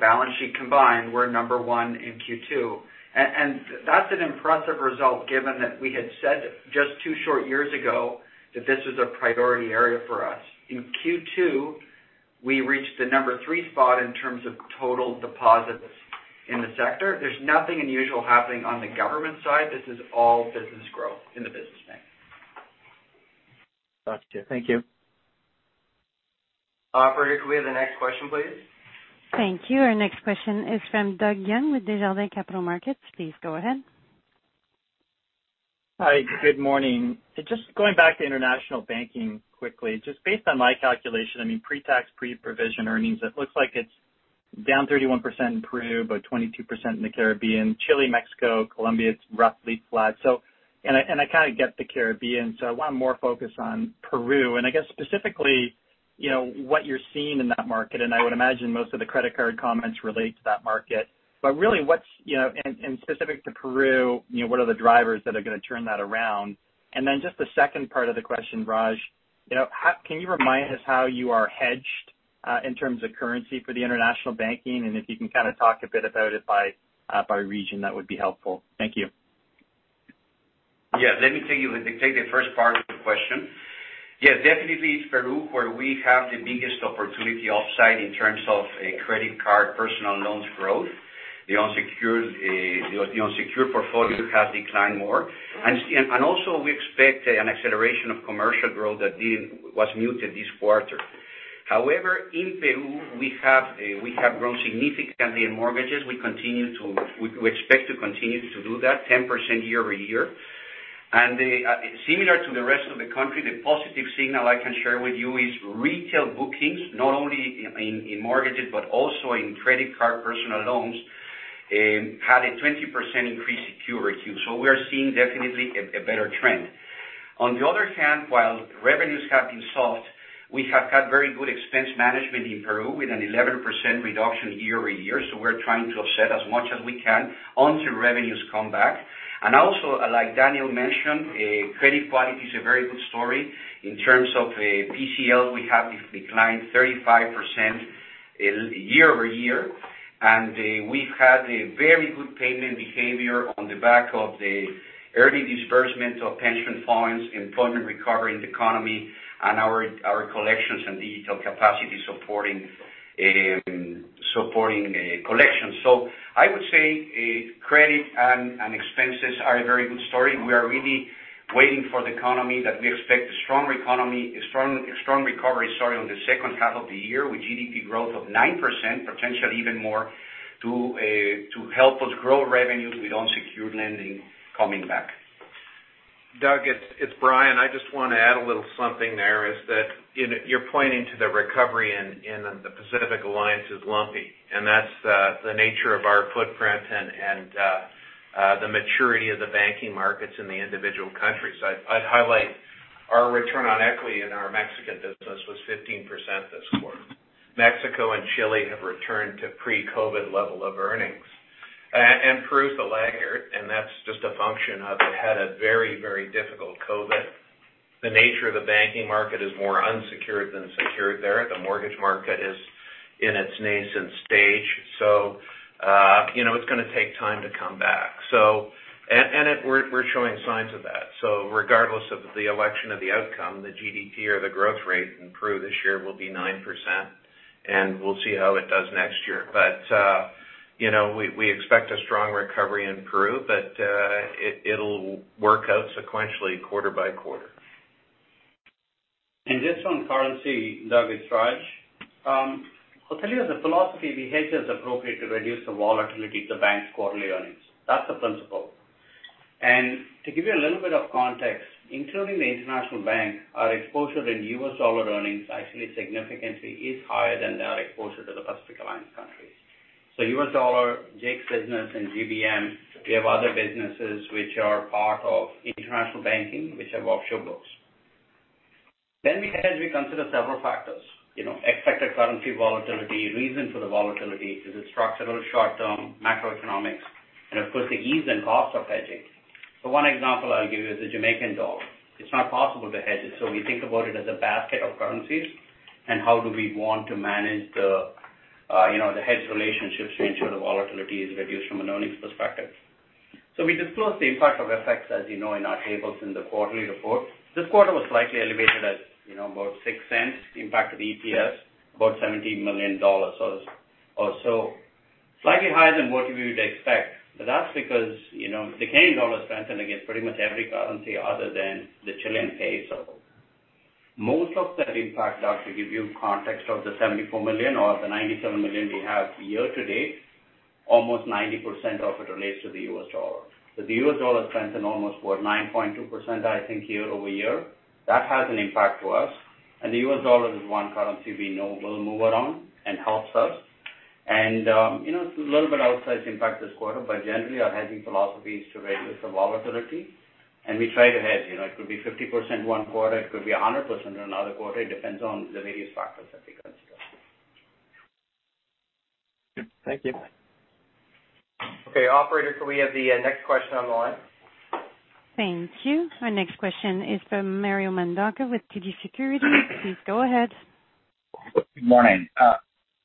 Balance sheet combined, we're number one in Q2, and that's an impressive result given that we had said just two short years ago that this is a priority area for us. In Q2, we reached the number three spot in terms of total deposits in the sector. There's nothing unusual happening on the government side. This is all business growth in the business bank. Got you. Thank you. Operator, could we have the next question, please? Thank you. Our next question is from Doug Young with Desjardins Capital Markets. Please go ahead. Hi, good morning. Just going back to International Banking quickly, just based on my calculation, pre-tax, pre-provision earnings, it looks like it's down 31% in Peru, but 22% in the Caribbean. Chile, Mexico, Colombia, it's roughly flat. I kind of get the Caribbean, so I want more focus on Peru. I guess specifically, what you're seeing in that market, and I would imagine most of the credit card comments relate to that market. Really, and specific to Peru, what are the drivers that are going to turn that around? Just the second part of the question, Raj, can you remind us how you are hedged in terms of currency for the International Banking? If you can kind of talk a bit about it by region, that would be helpful. Thank you. Yes. Let me take the first part of the question. Yes, definitely it's Peru where we have the biggest opportunity upside in terms of credit card personal loans growth. The unsecured portfolio has declined more. Also we expect an acceleration of commercial growth that was muted this quarter. However, in Peru, we have grown significantly in mortgages. We expect to continue to do that 10% year-over-year. Similar to the rest of the country, the positive signal I can share with you is retail bookings, not only in mortgages, but also in credit card personal loans had a 20% increase Q2Q. We are seeing definitely a better trend. On the other hand, while revenues have been soft, we have had very good expense management in Peru with an 11% reduction year-over-year. We're trying to offset as much as we can until revenues come back. Also, like Daniel mentioned, credit quality is a very good story in terms of PCL. We have declined 35% year-over-year, and we've had very good payment behavior on the back of the early disbursement of pension funds and funding recovery in the economy and our collections and digital capacity supporting collections. I would say credit and expenses are a very good story. We are really waiting for the economy that we expect a strong recovery starting in the H2 of the year with GDP growth of 9%, potentially even more, to help us grow revenues with unsecured lending coming back. Doug, it's Brian. I just want to add a little something there is that you're pointing to the recovery in the Pacific Alliance is lumpy, and that's the nature of our footprint and the maturity of the banking markets in the individual countries. I'd highlight our return on equity in our Mexican business was 15% this quarter. Mexico and Chile have returned to pre-COVID level of earnings. Peru is the laggard, and that's just a function of it had a very, very difficult COVID. The nature of the banking market is more unsecured than secured there. The mortgage market is in its nascent stage, so it's going to take time to come back. We're showing signs of that. Regardless of the election or the outcome, the GDP or the growth rate in Peru this year will be 9%, and we'll see how it does next year. We expect a strong recovery in Peru, but it'll work out sequentially quarter-by-quarter. Just on currency, Doug, it's Raj. I'll tell you the philosophy we hedge as appropriate to reduce the volatility to the bank's quarterly earnings. That's the principle. To give you a little bit of context, including the International Banking, our exposure to US dollar earnings actually significantly is higher than our exposure to the Pacific Alliance countries. US dollar, Jake's business, and GBM, we have other businesses which are part of International Banking, which are offshore books. We hedge, we consider several factors, expected currency volatility, reasons for the volatility. Is it structural, short-term, macroeconomics, and of course, the ease and cost of hedging? One example I'll give you is the Jamaican dollar. It's not possible to hedge it. We think about it as a basket of currencies and how do we want to manage the hedged relationship to ensure the volatility is reduced from an earnings perspective. We disclose the impact of FX, as you know in our tables in the quarterly report. This quarter was slightly elevated at about 0.06 impact to EPS, about 70 million dollars or so. Slightly higher than what you would expect. That's because the Canadian dollar strengthened against pretty much every currency other than the Chilean peso. Most of that impact, just to give you context of the 74 million or the 97 million we have year to date, almost 90% of it relates to the US dollar. The US dollar strengthened almost what, 9.2%, I think, year-over-year. That has an impact to us. The US dollar is one currency we know will move around and helps us. It's a little bit outside the impact this quarter, but generally, our hedging philosophy is to reduce the volatility, and we try to hedge. It could be 50% one quarter, it could be 100% another quarter. It depends on the various factors that we consider. Thank you. Okay, operator, can we have the next question on the line? Thank you. Our next question is from Mario Mendonca with TD Securities. Please go ahead. Good morning.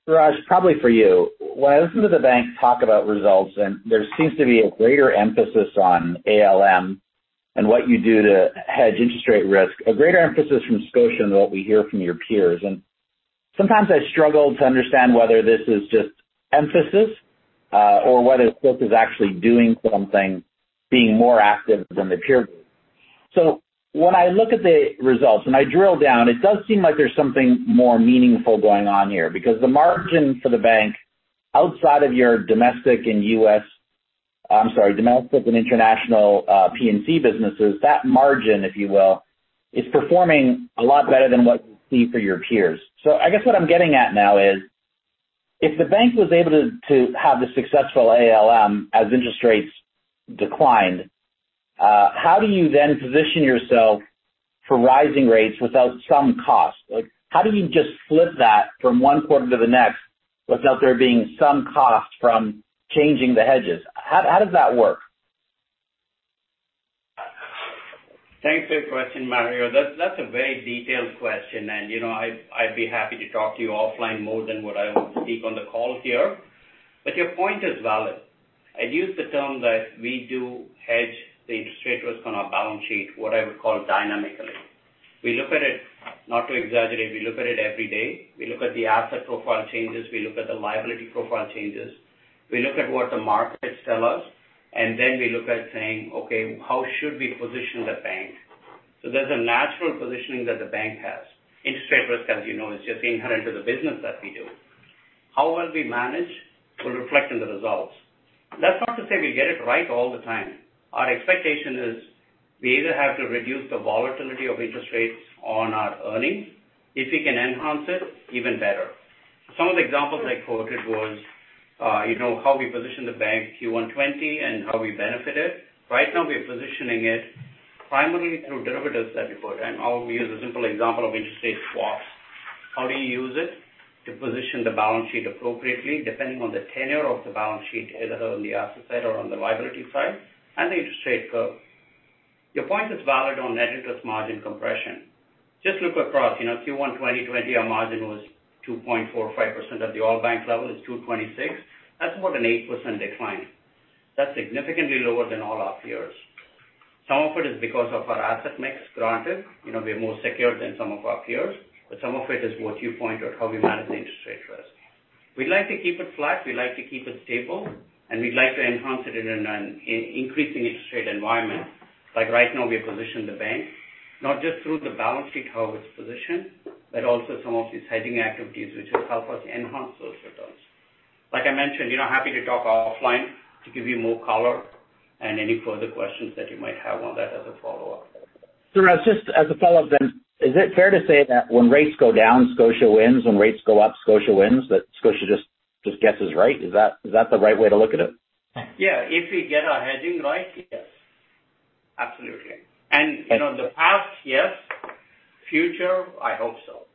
Raj, probably for you. When I listen to the bank talk about results, and there seems to be a greater emphasis on ALM and what you do to hedge interest rate risk, a greater emphasis from Scotia than what we hear from your peers. Sometimes I struggle to understand whether this is just emphasis or whether Scotia is actually doing something, being more active than the peer group. When I look at the results and I drill down, it does seem like there's something more meaningful going on here because the margin for the bank outside of your domestic and international P&C businesses, that margin, if you will, is performing a lot better than what we see for your peers. I guess what I’m getting at now is, if the bank was able to have a successful ALM as interest rates decline, how do you then position yourself for rising rates without some cost? How do you just flip that from one quarter to the next without there being some cost from changing the hedges? How does that work? Thanks for your question, Mario. That's a very detailed question, and I'd be happy to talk to you offline more than what I will speak on the call here. Your point is valid. I'd use the term that we do hedge the interest rate risk on our balance sheet, what I would call dynamically. Not to exaggerate, we look at it every day. We look at the asset profile changes, we look at the liability profile changes. We look at what the markets tell us, and then we look at saying, "Okay, how should we position the bank?" There's a natural positioning that the bank has. Interest rate risk, as you know, is just inherent to the business that we do. How well we manage will reflect in the results. That's not to say we get it right all the time. Our expectation is we either have to reduce the volatility of interest rates on our earnings. If we can enhance it, even better. Some of the examples I quoted was how we position the bank Q1 2020 and how we benefited. Right now we're positioning it primarily through derivatives, that report, and I'll use a simple example of interest rate swaps. How do you use it? To position the balance sheet appropriately, depending on the tenure of the balance sheet, either on the asset side or on the liability side, and the interest rate curve. Your point is valid on net interest margin compression. Just look across, Q1 2020, our margin was 2.45% at the all-bank level is 226. That's about an 8% decline. That's significantly lower than all our peers. Some of it is because of our asset mix, granted. We're more secured than some of our peers, but some of it is more to your point of how we manage the interest rate risk. We'd like to keep it flat, we'd like to keep it stable, and we'd like to enhance it in an increasing interest rate environment. Like right now, we position the bank not just through the balance sheet, how it's positioned, but also some of these hedging activities, which will help us enhance those results. Like I mentioned, happy to talk offline to give you more color and any further questions that you might have on that as a follow-up. Sure. Just as a follow-up then, is it fair to say that when rates go down, Scotiabank wins, when rates go up, Scotiabank wins, that Scotiabank just gets this right? Is that the right way to look at it? Yeah. If we get our hedging right, yes. Absolutely. The past, yes. Future, I hope so.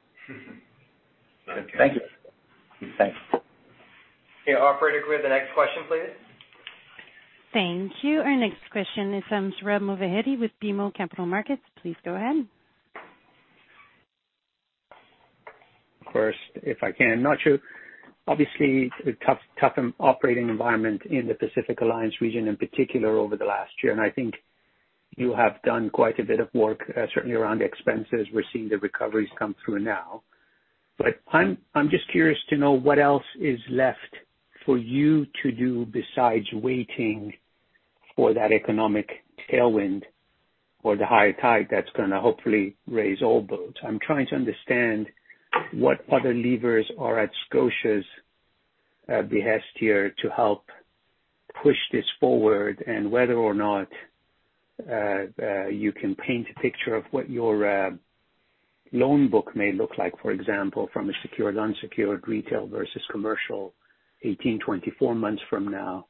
Thank you. Thanks. Okay, operator, can we have the next question, please? Thank you. Our next question is from Sohrab Movahedi with BMO Capital Markets. Please go ahead. Of course, if I can, Raj, obviously, a tough operating environment in the Pacific Alliance region in particular over the last year, and I think you have done quite a bit of work, certainly around expenses. We're seeing the recoveries come through now. I'm just curious to know what else is left for you to do besides waiting for that economic tailwind or the high tide that's going to hopefully raise all boats. I'm trying to understand what other levers are at Scotia's behest here to help push this forward and whether or not you can paint a picture of what your loan book may look like, for example, from a secured/unsecured, retail versus commercial, 18-24 months from now,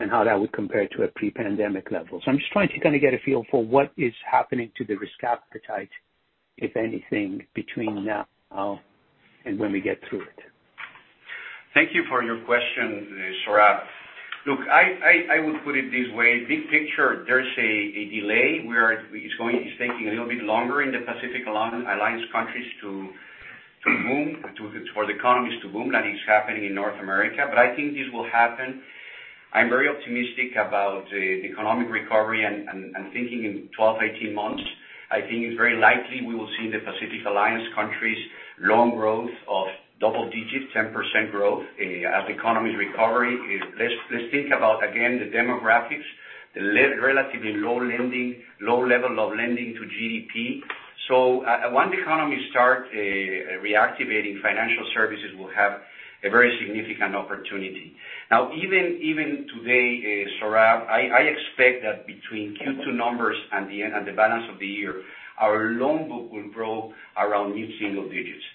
and how that would compare to a pre-pandemic level. I'm just trying to kind of get a feel for what is happening to the risk appetite, if anything, between now and when we get through it. Thank you for your question, Sohrab. Look, I would put it this way. Big picture, there's a delay where it's taking a little bit longer in the Pacific Alliance countries for the economies to boom like it's happening in North America. I think this will happen. I'm very optimistic about the economic recovery, and thinking in 12-18 months, I think it's very likely we will see the Pacific Alliance countries loan growth of double digits, 10% growth as economies recovery. Let's think about, again, the demographics The relatively low level of lending to GDP. Once the economy starts reactivating, financial services will have a very significant opportunity. Even today, Sohrab, I expect that between Q2 numbers and the balance of the year, our loan book will grow around mid-single digits.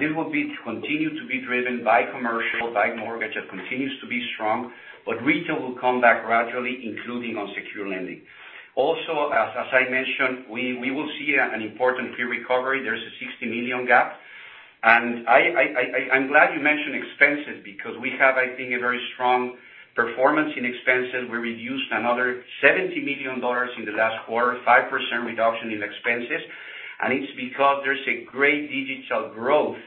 This will continue to be driven by commercial, by mortgage, that continues to be strong, but retail will come back gradually, including on secure lending. As I mentioned, we will see an important fee recovery. There is a 60 million gap, and I am glad you mentioned expenses because we have, I think, a very strong performance in expenses where we reduced another 70 million dollars in the last quarter, 5% reduction in expenses. It is because there is a great digital growth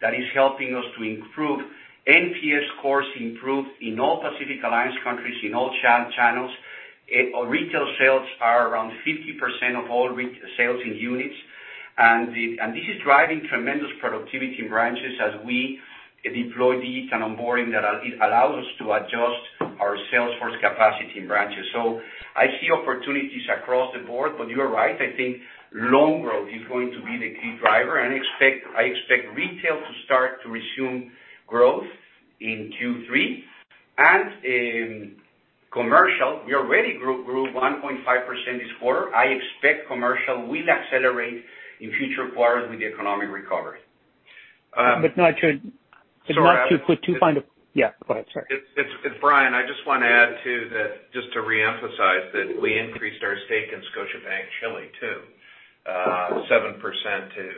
that is helping us to improve. NPS scores improved in all Pacific Alliance countries, in all channels. Retail sales are around 50% of all sales in units, and this is driving tremendous productivity in branches as we deploy digital onboarding that allow us to adjust our sales force capacity in branches. I see opportunities across the board, but you're right, I think loan growth is going to be the key driver, and I expect retail to start to resume growth in Q3. In commercial, we already grew 1.5% this quarter. I expect commercial will accelerate in future quarters with the economic recovery. But Nacho- Sohrab- Yeah, go ahead. Sorry. Brian, I just want to add too, just to reemphasize, that we increased our stake in Scotiabank Chile, too, 7% to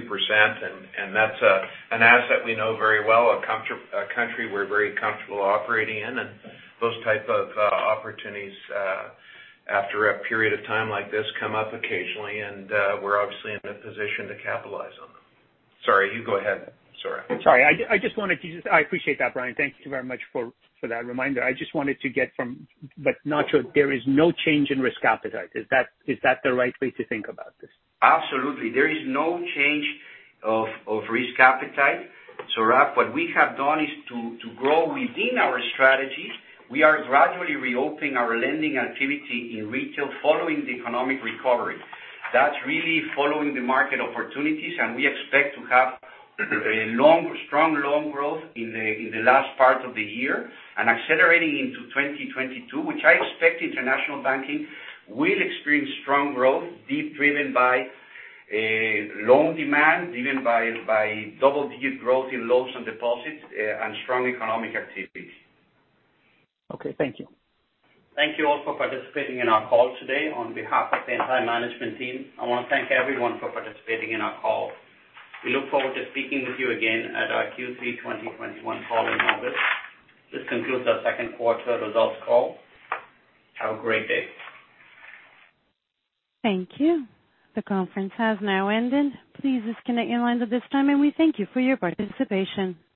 82%. That's an asset we know very well, a country we're very comfortable operating in. Those type of opportunities, after a period of time like this, come up occasionally, and we're obviously in a position to capitalize on them. Sorry, you go ahead, Sohrab. Sorry. I appreciate that, Brian. Thank you very much for that reminder. I just wanted to get from Nacho, there is no change in risk appetite. Is that the right way to think about this? Absolutely. There is no change of risk appetite, Sohrab. What we have done is to grow within our strategies. We are gradually reopening our lending activity in retail following the economic recovery. That's really following the market opportunities. We expect to have strong loan growth in the last part of the year and accelerating into 2022, which I expect International Banking will experience strong growth, deep driven by loan demand, driven by double-digit growth in loans and deposits, and strong economic activity. Okay, thank you. Thank you all for participating in our call today. On behalf of the entire management team, I want to thank everyone for participating in our call. We look forward to speaking with you again at our Q3 2021 call in August. This concludes our second quarter results call. Have a great day. Thank you. The conference has now ended. Please disconnect your lines at this time, and we thank you for your participation.